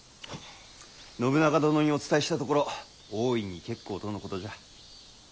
信長殿にお伝えしたところ大いに結構とのことじゃ。